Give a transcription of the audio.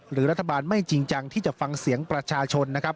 หรือรัฐบาลไม่จริงจังที่จะฟังเสียงประชาชนนะครับ